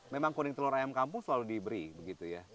memang kuning telur ayam kampung selalu diberi begitu ya